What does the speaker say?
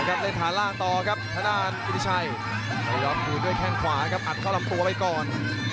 ครับเล่นฐานล่างต่อครับอิทชัยคารีลอฟดูด้วยแข้งขวาครับอัดเข้ารอบตัวไปก่อน